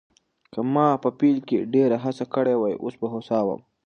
که ما په پیل کې ډېره هڅه کړې وای، اوس به هوسا وم.